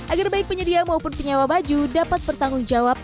agar baik penyedia maupun penyewa baju dapat bertanggung jawab